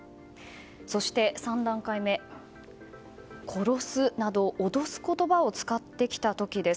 そして３段階目、殺すなど脅す言葉を使ってきた時です。